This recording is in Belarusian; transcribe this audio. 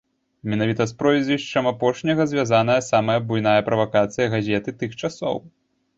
Менавіта з прозвішчам апошняга звязаная самая буйная правакацыя газеты тых часоў.